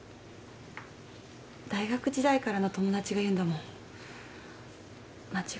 大学時代からの友達が言うんだもん間違いないよね？